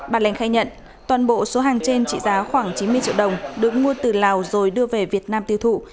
bà lành khai nhận toàn bộ số hàng trên trị giá khoảng chín mươi triệu đồng được mua từ lào rồi đưa về việt nam tiêu thụ